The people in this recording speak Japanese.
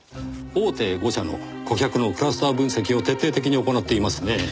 大手５社の顧客のクラスター分析を徹底的に行っていますねぇ。